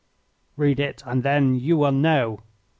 "Read it and then you will know."